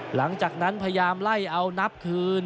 หลังจากนั้นพยายามไล่เอานับคืน